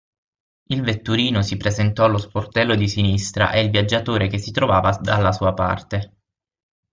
Il vetturino si presentò allo sportello di sinistra e il viaggiatore che si trovava dalla sua parte.